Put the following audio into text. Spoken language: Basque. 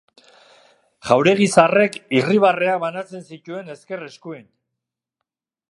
Jauregizarrek irribarreak banatzen zituen ezker-eskuin.